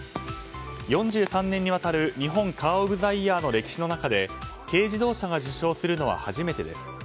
４３年にわたる日本カー・オブ・ザ・イヤーにおいて軽自動車が受賞するのは初めてです。